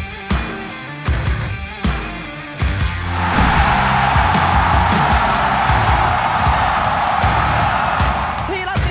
สุดท้าย